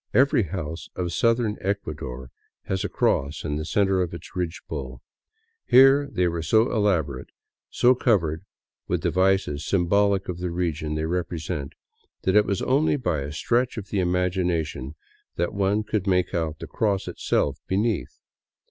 Every house of southern Ecuador has a cross in the center of its ridgepole ; here they were so elaborate, so covered with devices sym bolic of the religion they represent, that it was only by a stretch of the imagination that one could make out the cross itself beneath.